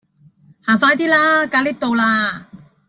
行快 D 啦！架 𨋢 到啦